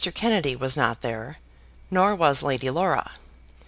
Kennedy was not there, nor was Lady Laura.